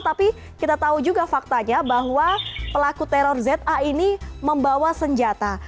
tapi kita tahu juga faktanya bahwa pelaku teror za ini membawa senjata